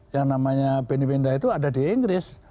yang namanya bni bni itu ada di inggris